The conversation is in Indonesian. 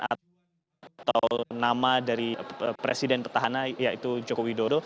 atau nama dari presiden petahana yaitu jokowi dodo